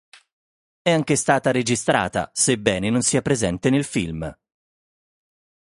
È anche stata registrata, sebbene non sia presente nel film,